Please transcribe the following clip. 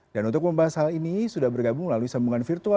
dan untuk membahas hal ini sudah bergabung melalui sambungan virtual